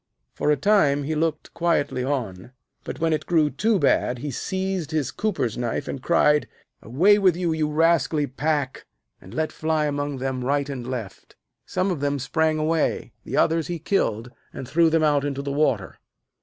For a time he looked quietly on, but when it grew too bad he seized his cooper's knife, and cried: 'Away with you, you rascally pack,' and let fly among them right and left. Some of them sprang away, the others he killed, and threw them out into the water.